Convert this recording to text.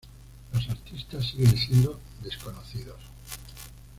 Los artistas siguen siendo desconocidos.